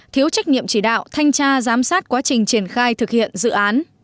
thiếu trách nhiệm chỉ đạo thanh tra giám sát quá trình triển khai thực hiện dự án